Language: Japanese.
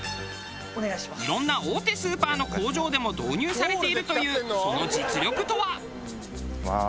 いろんな大手スーパーの工場でも導入されているというその実力とは。いきます。